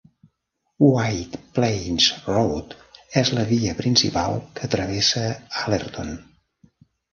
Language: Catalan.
White Plains Road és la via principal que travessa Allerton.